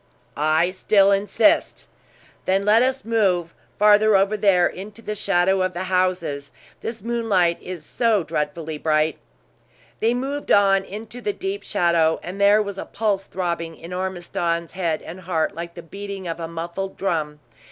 "I still insist!" "Then let us move farther over here into the shadow of the houses; this moonlight is so dreadfully bright!" They moved on into the deep shadow, and there was a pulse throbbing in Ormiston's head and heart like the beating of a muffed drum.